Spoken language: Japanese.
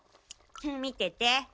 見てて。